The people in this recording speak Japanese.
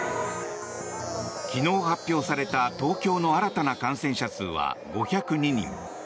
昨日発表された、東京の新たな感染者数は５０２人。